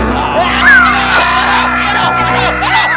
yang bener yang bener